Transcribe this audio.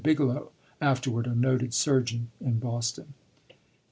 Bigelow, afterward a noted surgeon in Boston.